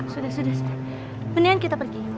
sudah sudah kemudian kita pergi